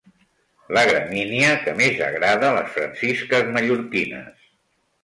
La gramínia que més agrada les Francisques mallorquines.